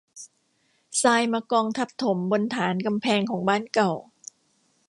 ทรายมากองทับถมบนฐานกำแพงของบ้านเก่า